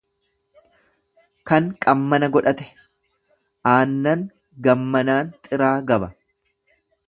kan qammana godhate; Aannan gammanaan xiraa gaba.